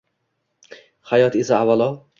Hayot esaig avvalo.